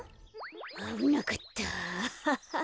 あぶなかったアハハ。